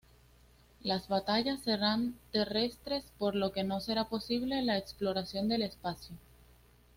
Las batallas serán terrestres, por lo que no será posible la exploración del espacio.